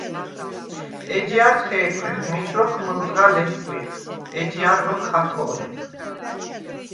ეჯჲარდ ხე̄ქვეხ: მიჩ ლოქ მჷლდღა ლეხხვიხ, ეჯჲარ ლოქ ხათო̄ნნეხ.